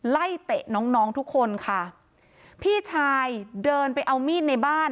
เตะน้องน้องทุกคนค่ะพี่ชายเดินไปเอามีดในบ้าน